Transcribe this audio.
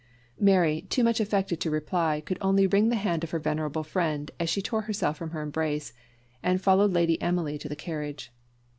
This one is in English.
Mary, too much affected to reply, could only wring the hand of her venerable friend, as she tore herself from her embrace, and followed Lady Emily to the carriage.